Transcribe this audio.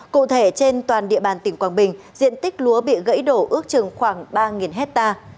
cụ thể trên toàn địa bàn tỉnh quảng bình diện tích lúa bị gãy đổ ước chừng khoảng ba hectare